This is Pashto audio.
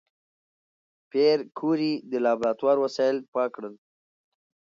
پېیر کوري د لابراتوار وسایل پاک کړل.